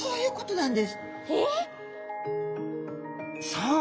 そう！